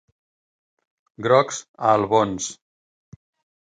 Grocs a Albons.